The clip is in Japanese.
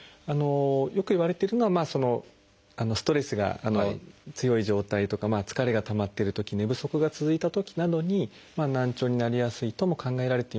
よくいわれているのはストレスが強い状態とか疲れがたまってるとき寝不足が続いたときなどに難聴になりやすいとも考えられていますし